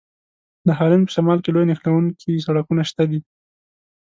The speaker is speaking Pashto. د هالند په شمال کې لوی نښلوونکي سړکونه شته دي.